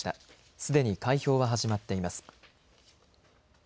すでに開票は始まっています。